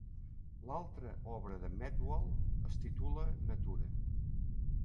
L'altra obra de Medwall es titula "Natura".